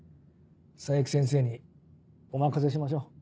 冴木先生にお任せしましょう。